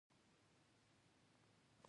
د پیرودونکي باور له سرو زرو ارزښت لري.